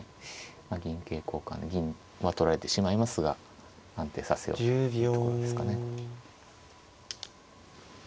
銀桂交換で銀は取られてしまいますが安定させようというところですかね。